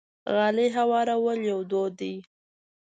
غالۍ هوارول یو دود دی.